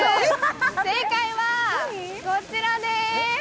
正解はこちらです。